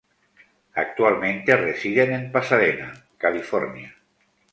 Actualmente residen en Pasadena, California.